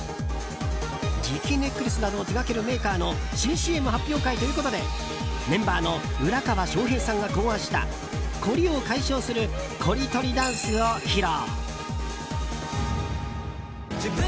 磁気ネックレスなどを手掛けるメーカーの新ＣＭ発表会ということでメンバーの浦川翔平さんが考案したコリを解消するコリトリダンスを披露。